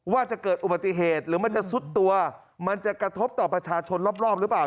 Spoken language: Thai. ว่าจะเกิดอุบัติเหตุหรือมันจะซุดตัวมันจะกระทบต่อประชาชนรอบหรือเปล่า